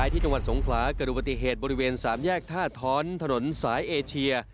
ที่จังหวัดสงขลาเกิดอุบัติเหตุบริเวณ๓แยกท่าท้อนถนนสายเอเชีย